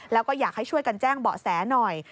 แล้วก็อยากให้ช่วยกันแจ้งเบาะแสหน่อย